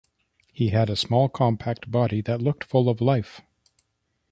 He had a small, compact body that looked full of life.